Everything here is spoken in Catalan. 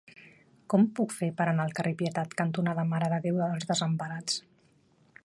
Com ho puc fer per anar al carrer Pietat cantonada Mare de Déu dels Desemparats?